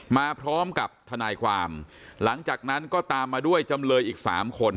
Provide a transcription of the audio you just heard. มาพร้อมกับทนายความหลังจากนั้นก็ตามมาด้วยจำเลยอีก๓คน